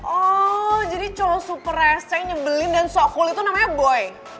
oh jadi cowok super rese yang nyebelin dan sok kulit tuh namanya boy